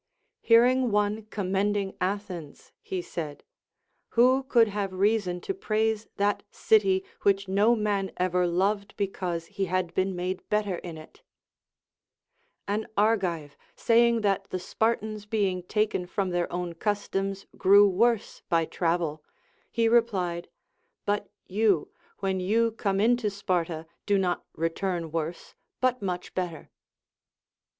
Hearing one commending Athens, he said. Who could have reason to praise that city Avhich no man ever loved because he had been made better in it ? An Argive saying that the Spar tans being taken from their own customs grew worse by travel, he replied. But you, when you come into Sparta, do not return worse, but much better.